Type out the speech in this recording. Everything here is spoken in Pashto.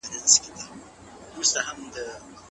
هر وخت چې رښتیا وویل شي، بې باوري به پیدا نه شي.